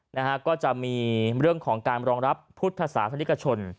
นะฮะก็จะมีเรื่องของการรองรับพุทธศาสนิกชน